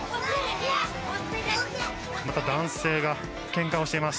また男性がけんかをしています。